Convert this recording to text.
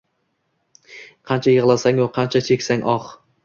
Qancha yig’lasang-u qancha cheksang oh;